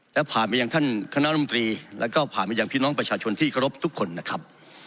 และผ่านไปยังท่านคณะรมตรีแล้วก็ผ่านไปยังพี่น้องประชาชนที่เคารพทุกคนนะครับ